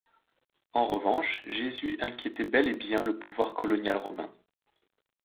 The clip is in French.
En revanche, Jésus inquiétait bel et bien le pouvoir colonial romain.